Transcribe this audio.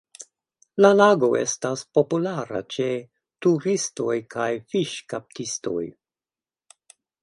La lago estas populara ĉe turistoj kaj fiŝkaptistoj.